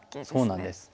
そうなんです。